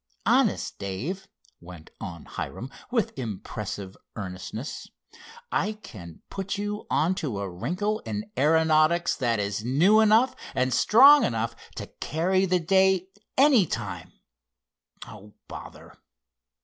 Honest, Dave," went on Hiram with impressive earnestness, "I can put you onto a wrinkle in aeronautics that is new enough, and strong enough, to carry the day any time—oh, bother!"